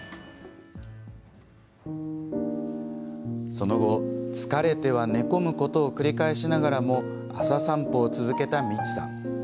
その後、疲れては寝込むことを繰り返しながらも朝散歩を続けた、みちさん。